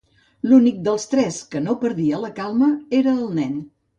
L'únic dels tres que no perdia la calma era el nen.